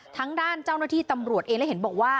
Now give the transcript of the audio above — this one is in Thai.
ทางด้านเจ้าหน้าที่ตำรวจเองและเห็นบอกว่า